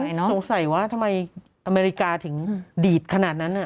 สงสัยว่าทำไมอเมริกาถึงดีดขนาดนั้น